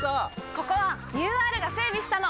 ここはＵＲが整備したの！